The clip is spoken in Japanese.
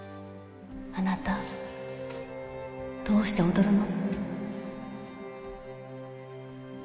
あなたどうして踊るの？